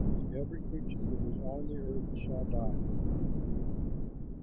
Every creature that is on the earth shall die."